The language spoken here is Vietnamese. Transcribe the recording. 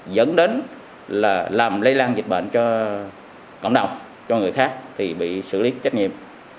dẫn đến là làm lây lan dịch bệnh cho cộng đồng cho người khác thì bị xử lý trách nhiệm